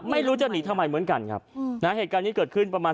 ไม่รู้จะหนีทำไมเหมือนกันครับนะฮะเหตุการณ์นี้เกิดขึ้นประมาณ